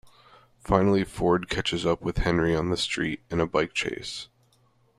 Finally Ford catches up with Henry on the street in a bike chase.